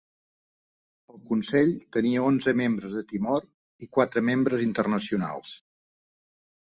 El consell tenia onze membres de Timor i quatre membres internacionals.